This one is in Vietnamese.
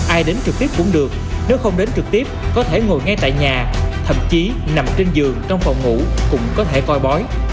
ai đến trực tiếp cũng được nếu không đến trực tiếp có thể ngồi ngay tại nhà thậm chí nằm trên giường trong phòng ngủ cũng có thể coi bói